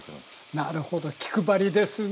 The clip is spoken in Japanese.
なるほど気配りですね。